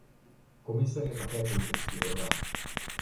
Komise je také politický orgán.